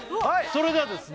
それではですね